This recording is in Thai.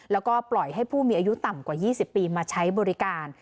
แล้วก็ปล่อยให้ผู้มีอายุต่ำกว่า๒๐ปีมาใช้บริการ